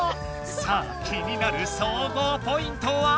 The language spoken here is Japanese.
さあ気になる総合ポイントは？